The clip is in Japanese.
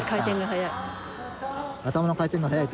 頭の回転が速い。